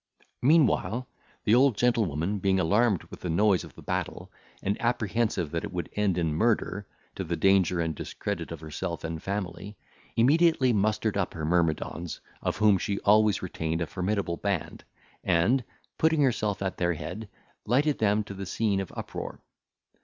Meanwhile, the old gentlewoman being alarmed with the noise of the battle, and apprehensive that it would end in murder, to the danger and discredit of herself and family, immediately mustered up her myrmidons, of whom she always retained a formidable band, and, putting herself at their head, lighted them to the scene of uproar.